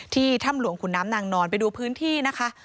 ถ้ำหลวงขุนน้ำนางนอนไปดูพื้นที่นะคะ